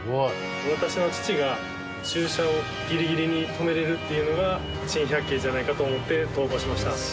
私の父が駐車をギリギリに止めれるっていうのが珍百景じゃないかと思って投稿しました。